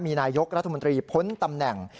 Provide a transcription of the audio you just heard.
มีนายกรัฐมนตรีพ้นตำแหน่ง